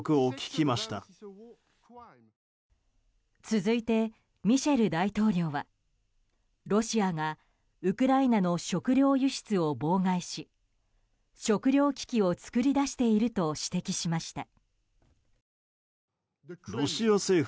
続いてミシェル大統領はロシアがウクライナの食料輸出を妨害し食料危機を作り出していると指摘しました。